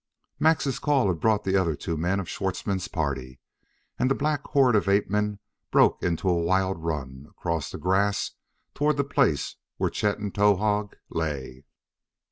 Max's call had brought the other two men of Schwartzmann's party, and the black horde of ape men broke into a wild run across the grass toward the place where Chet and Towahg lay.